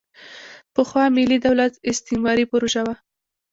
پخوا ملي دولت استعماري پروژه وه.